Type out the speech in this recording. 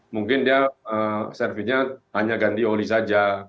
mungkin dia servinya hanya ganti oli saja